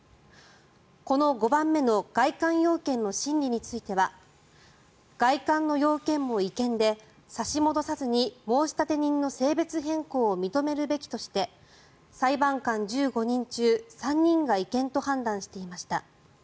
この５番目の外観要件の審理については外観の要件も違憲で差し戻さずに申立人の性別変更を認めるべきとして裁判官１５人中３人が違憲と判断していました。